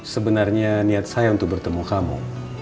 sebenarnya niat saya untuk bertemu kamu